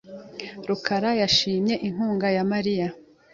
rukara yashimye inkunga ya Mariya .